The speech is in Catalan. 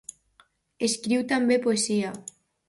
Escriu també poesia.